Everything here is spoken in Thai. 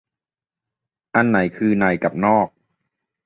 อันไหนคือในกับนอก